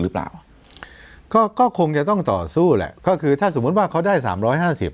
หรือเปล่าก็ก็คงจะต้องต่อสู้แหละก็คือถ้าสมมุติว่าเขาได้สามร้อยห้าสิบ